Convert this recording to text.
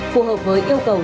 phù hợp với yêu cầu